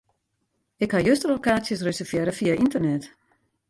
Ik ha juster al kaartsjes reservearre fia ynternet.